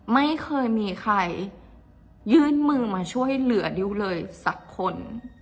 ไม่เคยมีใครยื่นมือมาช่วยเหลือดิวเลยสักคน